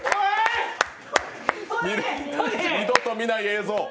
二度と見ない映像。